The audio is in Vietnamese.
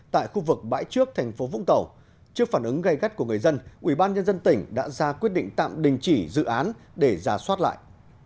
tại khu vực bãi trước thành phố vũng tàu trước phản ứng gây gắt của người dân ubnd tỉnh đã ra quyết định tạm đình chỉ dự án để ra soát lại